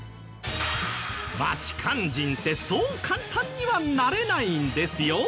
バチカン人ってそう簡単にはなれないんですよ。